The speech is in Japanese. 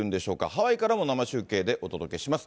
ハワイからも生中継でお届けします。